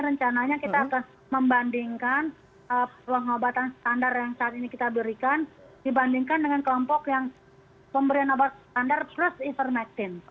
rencananya kita akan membandingkan peluang obatan standar yang saat ini kita berikan dibandingkan dengan kelompok yang pemberian obat standar plus ivermectin